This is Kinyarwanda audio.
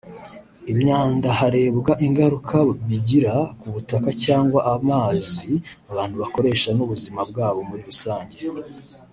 imyanda harebwa ingaruka bigira ku butaka cyangwa amazi abantu bakoresha n’ubuizima bwabo muri rusange